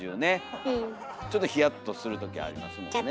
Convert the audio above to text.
ちょっとひやっとする時ありますもんね。